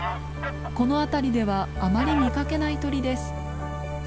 この辺りではあまり見かけない鳥です。